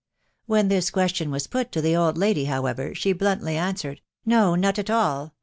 When this question was put to the old lady, however, she bluntly answered, " No, not at all.